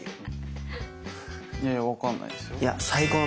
いやいや分かんないですよ。